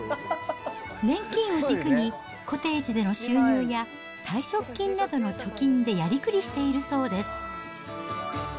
年金を軸にコテージでの収入や、退職金などの貯金でやりくりしているそうです。